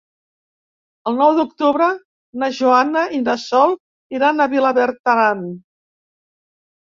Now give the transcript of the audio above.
El nou d'octubre na Joana i na Sol iran a Vilabertran.